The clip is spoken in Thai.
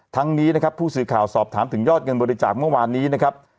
ทั้งนี้นะครับผู้สื่อข่าวสอบถามถึงยอดเงินบริจาคเมื่อวานนี้นะครับ